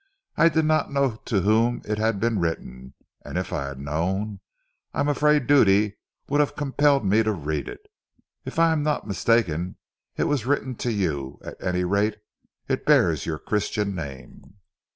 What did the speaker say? I did not know to whom it had been written; and if I had known, I am afraid duty would have compelled me to read it. If I am not mistaken, it was written to you; at any rate it bears your Christian name."